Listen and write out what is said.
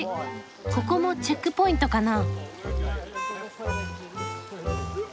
ここもチェックポイントかな。